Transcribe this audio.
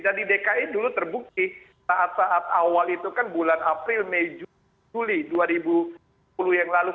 dan di dki dulu terbukti saat saat awal itu kan bulan april mei juli dua ribu sepuluh yang lalu